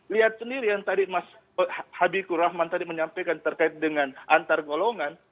lihat sendiri yang tadi mas habikur rahman tadi menyampaikan terkait dengan antar golongan